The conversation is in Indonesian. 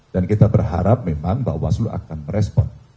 dan kita berharap memang pak waslu akan merespon